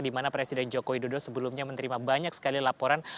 di mana presiden joko widodo sebelumnya menerima banyak sekali laporan